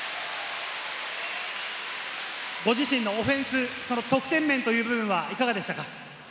ご自身のオフェンス、その得点面という部分はいかがでしたか？